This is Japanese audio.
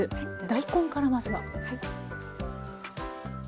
大根からまずは。